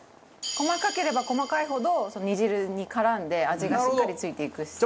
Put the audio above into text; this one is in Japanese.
細かければ細かいほど煮汁に絡んで味がしっかり付いていくので。